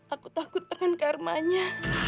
aku takut dengan karmanya